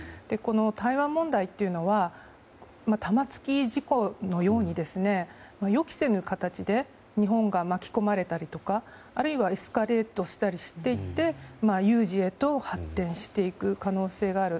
台湾問題というのは玉突き事故のように予期せぬ形で日本が巻き込まれたりとかあるいはエスカレートしたりしていって有事へと発展していく可能性がある。